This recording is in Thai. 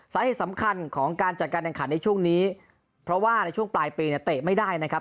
สาเหตุสำคัญของการจัดการแข่งขันในช่วงนี้เพราะว่าในช่วงปลายปีเนี่ยเตะไม่ได้นะครับ